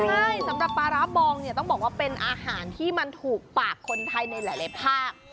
ใช่สำหรับปลาร้าบองเนี่ยต้องบอกว่าเป็นอาหารที่มันถูกปากคนไทยในหลายภาค